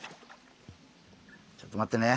ちょっと待ってね。